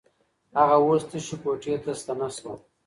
هغه اوس تشې کوټې ته ستنه شوه.